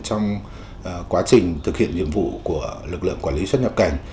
trong quá trình thực hiện nhiệm vụ của lực lượng quản lý xuất nhập cảnh